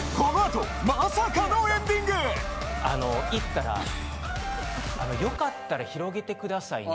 あの行ったら「よかったら広げて下さいね」。